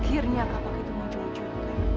akhirnya kapak itu mencuri curi